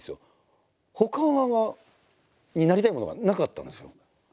ほかはになりたいものがなかったんですよ。